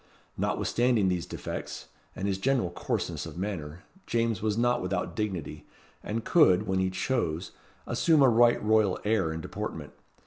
Notwithstanding these defects, and his general coarseness of manner, James was not without dignity, and could, when he chose, assume a right royal air and deportment.